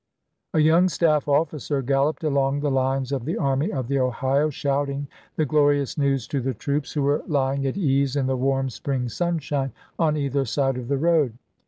A young staff officer galloped along the lines of the Army of the Ohio shouting the glorious news to the troops who were lying at ease in the warm spring sunshine on either side of the road.